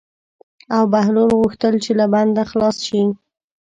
او بهلول غوښتل چې له بنده خلاص شي.